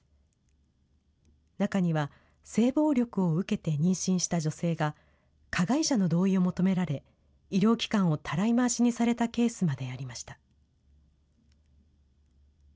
中には、性暴力を受けて妊娠した女性が、加害者の同意を求められ、医療機関をたらい回しにされたケースまでありました。